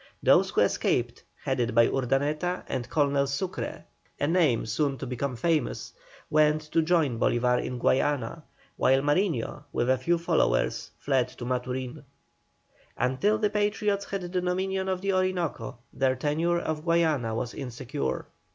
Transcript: Those who escaped, headed by Urdaneta and Colonel SUCRE, a name soon to become famous, went to join Bolívar in Guayana, while Mariño, with a few followers, fled to Maturin. Until the Patriots had the dominion of the Orinoco their tenure of Guayana was insecure.